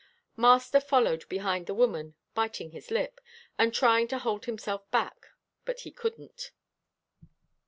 Master followed behind the woman, biting his lip, and trying to hold himself back, but he couldn't.